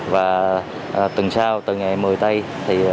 và tuần sau tuần ngày một mươi tây thì